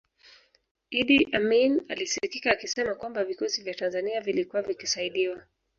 Idi Amin alisikika akisema kwamba vikosi vya Tanzania vilikuwa vikisaidiwa